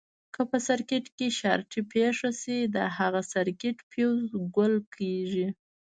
که په سرکټ کې شارټي پېښه شي د هماغه سرکټ فیوز ګل کېږي.